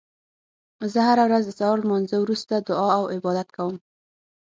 زه هره ورځ د سهار لمانځه وروسته دعا او عبادت کوم